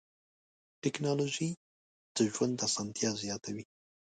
ټکنالوجي د ژوند اسانتیا زیاتوي.